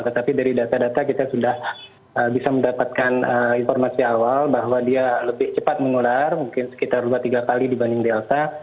tetapi dari data data kita sudah bisa mendapatkan informasi awal bahwa dia lebih cepat menular mungkin sekitar dua tiga kali dibanding delta